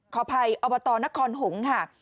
ขออภัยอบตนครหงษ์ค่ะ